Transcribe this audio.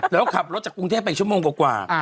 แล้วขับรถจากกรุงเทพไปชั่วโมงกว่า